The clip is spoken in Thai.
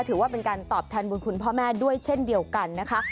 ถือว่าเป็นการตอบแทนบุญคุณพ่อแม่ด้วยเช่นเดียวกันนะคะ